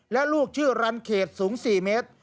และลูกชื่อรันเขตสูง๔เมตร